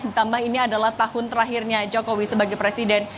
ditambah ini adalah tahun terakhirnya jokowi sebagai presiden